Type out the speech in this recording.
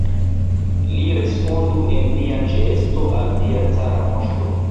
Li respondu en mia ĉeesto al via cara moŝto!